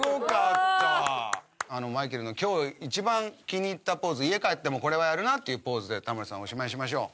マイケルの今日一番気に入ったポーズ家帰ってもこれはやるなっていうポーズでタモリさんおしまいにしましょう。